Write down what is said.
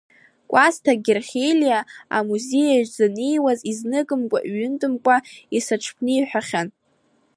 Кәасҭа Герхелиа амузеиаҿ даннеиуаз, изныкымкәа-иҩынтәымкәа исаҽԥниҳәахьан…